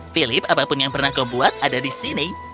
philip apapun yang pernah kau buat ada di sini